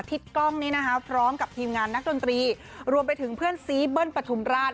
กล้องนี้นะคะพร้อมกับทีมงานนักดนตรีรวมไปถึงเพื่อนซีเบิ้ลปฐุมราช